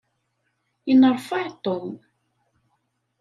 Inneṛfaɛ Tom.